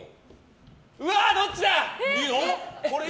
うわ、どっちだ！